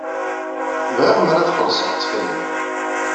Bɣiɣ mer ad xellṣeɣ, ttxil-m.